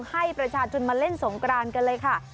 ให้ประชาชนมาเล่นสงกรานกันเลยค่ะ